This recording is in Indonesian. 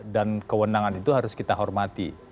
dan kewenangan itu harus kita hormati